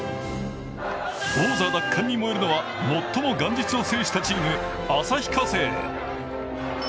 王座奪還に燃えるのは最も元日を制したチーム、旭化成。